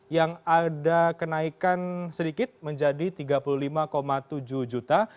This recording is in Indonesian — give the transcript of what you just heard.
yang ada kenaikan sedikit menjadi tiga puluh lima tujuh juta